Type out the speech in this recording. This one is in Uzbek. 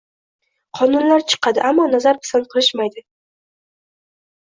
Qonunlar chiqadi, ammo nazr-pisand qilishmaydi.